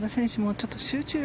ちょっと集中力